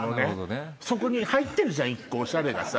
そこに入ってるじゃん１個おしゃれがさ。